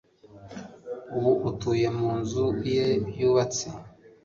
Ubu atuye mu nzu ye yubatse